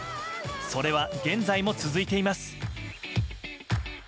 それは現在も続いています。